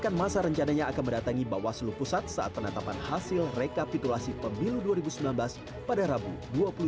dan masa rencananya akan mendatangi bawaslu pusat saat penetapan hasil rekapitulasi pemilu dua ribu sembilan belas pada rabu dua puluh dua mei dua ribu sembilan belas